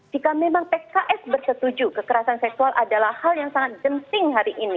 jika memang pks bersetuju kekerasan seksual adalah hal yang sangat jenisnya